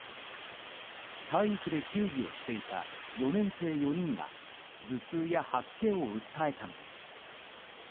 体育で球技をしていた４年生４人が頭痛や吐き気を訴えたのです。